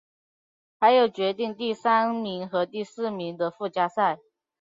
还有决定第三名和第四名的附加赛。